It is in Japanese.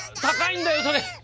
高いんだよそれ！